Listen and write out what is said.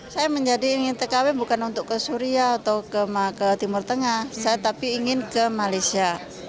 saya menjadi ingin tkw bukan untuk ke suria atau ke timur tengah saya tapi ingin ke malaysia